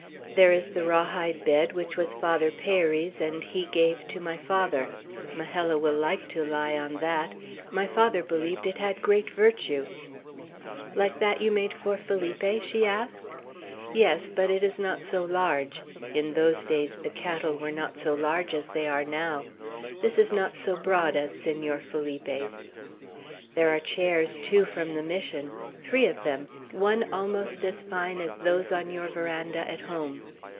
There is the raw hide bed which was Father Peyri's, and he gave to my father. Majella will like to lie on that. My father believed it had great virtue." "Like that you made for Felipe?" she asked. "Yes; but it is not so large. In those days the cattle were not so large as they are now: this is not so broad as Senor Felipe's. There are chairs, too, from the Mission, three of them, one almost as fine as those on your veranda at home.